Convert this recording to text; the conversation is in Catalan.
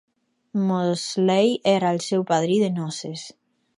Mosley era el seu padrí de noces.